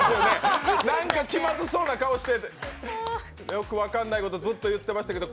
なんか気まずそうな顔して、よくわかんないことをずっと言ってましたけど。